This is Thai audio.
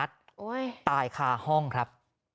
ตายคาห้องครับ